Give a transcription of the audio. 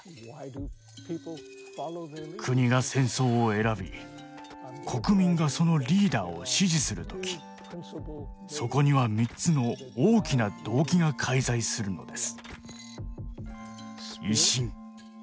国が戦争を選び国民がそのリーダーを支持する時そこには３つの大きな動機が介在するのです。